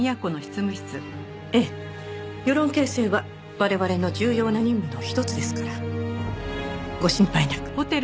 ええ世論形成は我々の重要な任務の一つですからご心配なく。